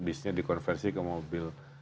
bisnya dikonversi ke mobil